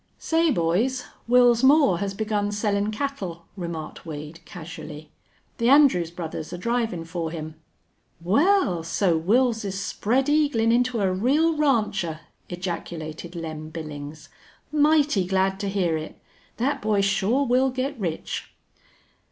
"Say, boys, Wils Moore has begun sellin' cattle," remarked Wade, casually. "The Andrews brothers are drivin' for him." "Wal, so Wils's spread eaglin' into a real rancher!" ejaculated Lem Billings. "Mighty glad to hear it. Thet boy shore will git rich."